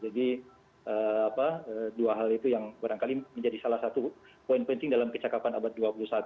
dua hal itu yang barangkali menjadi salah satu poin penting dalam kecakapan abad dua puluh satu